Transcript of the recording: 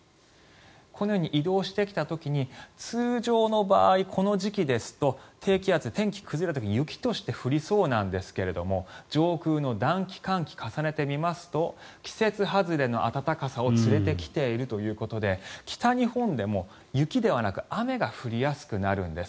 このように移動してきた時に通常の場合この時期ですと低気圧で天気崩れる時に雪として降りそうなんですが上空の暖気、寒気を重ねてみますと季節外れの暖かさを連れてきているということで北日本でも、雪ではなく雨が降りやすくなるんです。